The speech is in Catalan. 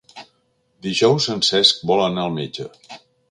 Dijous en Cesc vol anar al metge.